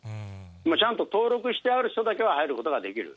ちゃんと登録してある人だけは入ることができる。